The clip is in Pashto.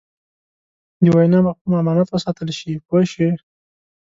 د وینا مفهوم امانت وساتل شي پوه شوې!.